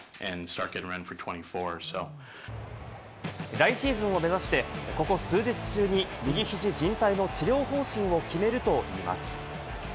来シーズンを目指して、ここ数日中に右肘じん帯の治療方針を決めるといいます。